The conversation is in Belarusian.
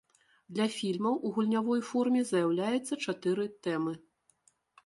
Для фільмаў у гульнявой форме заяўляецца чатыры тэмы.